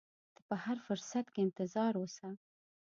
ته په هر فرصت کې انتظار اوسه.